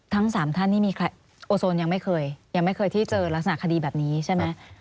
ทั้งสามท่านนี่มีใครโอโซนยังไม่เคยยังไม่เคยที่เจอลักษณะคดีแบบนี้ใช่ไหม